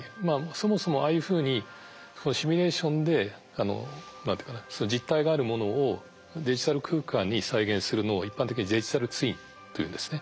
そもそもああいうふうにシミュレーションで何て言うかな実体があるものをデジタル空間に再現するのを一般的に「デジタルツイン」と言うんですね。